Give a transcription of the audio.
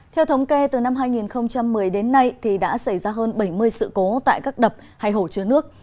theo thống kê từ năm hai nghìn một mươi đến nay đã xảy ra hơn bảy mươi sự cố tại các đập hay hồ chứa nước